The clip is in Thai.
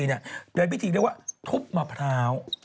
โดยพิธีเรียกว่าทุบมะพร้าว